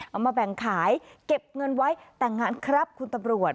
เอามาแบ่งขายเก็บเงินไว้แต่งงานครับคุณตำรวจ